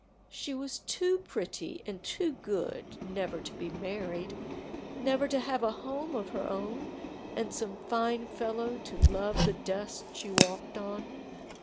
She was too pretty and too good never to be married never to have a home of her own and some fine fellow to love the dust she walked on.